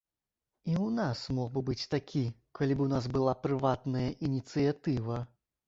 І ў нас мог бы быць такі, калі б у нас была прыватная ініцыятыва.